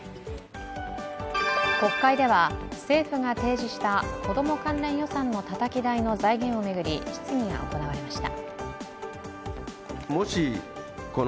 国会では、政府が提示した子ども関連予算のたたき台の財源を巡り、質疑が行われました。